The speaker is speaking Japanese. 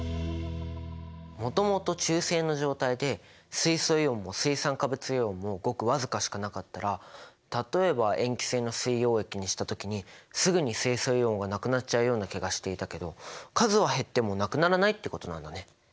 もともと中性の状態で水素イオンも水酸化物イオンもごく僅かしかなかったら例えば塩基性の水溶液にした時にすぐに水素イオンがなくなっちゃうような気がしていたけど数は減ってもなくならないってことなんだね。